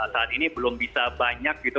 saat ini belum bisa banyak gitu